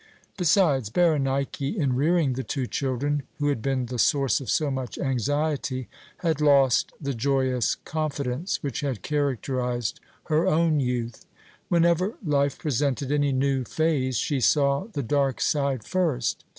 Besides, Berenike, in rearing the two children, who had been the source of so much anxiety had lost the joyous confidence which had characterized her own youth. Whenever life presented any new phase, she saw the dark side first.